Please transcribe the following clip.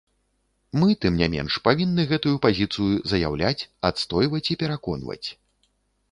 Мы, тым не менш, павінны гэтую пазіцыю заяўляць, адстойваць і пераконваць.